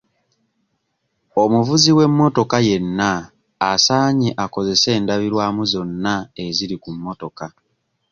Omuvuzi w'emmotoka yenna asaanye akozese endabirwamu zonna eziri ku mmotoka.